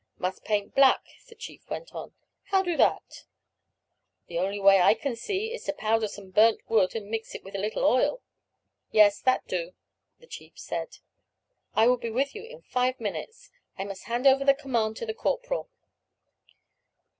"Must paint black," the chief went on; "how do that?" "The only way I can see is to powder some burnt wood and mix it with a little oil." "Yes, that do," the chief said. "I will be with you in five minutes. I must hand over the command to the corporal."